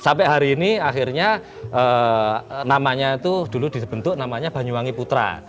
sampai hari ini akhirnya namanya itu dulu dibentuk namanya banyuwangi putra